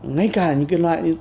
ngay cả những cái loại